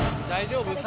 大丈夫？